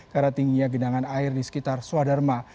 karena tingginya gedangan air di sekitar suadharma